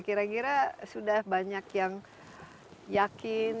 kira kira sudah banyak yang yakin